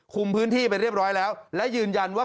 คุมพื้นที่ไปเรียบร้อยแล้วและยืนยันว่า